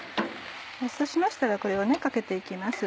そうしましたらこれをかけて行きます。